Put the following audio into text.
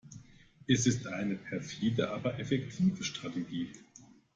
Es ist eine perfide, aber effektive Strategie.